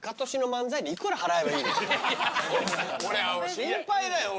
心配だよ俺。